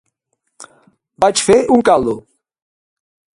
Vaig fer un caldo.